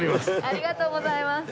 ありがとうございます。